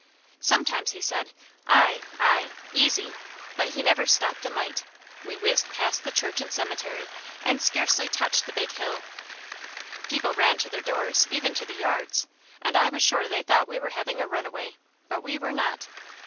Sometimes he said, "Aye, aye! Easy!" but he never stopped a mite. We whizzed past the church and cemetery, and scarcely touched the Big Hill. People ran to their doors, even to the yards, and I was sure they thought we were having a runaway, but we were not.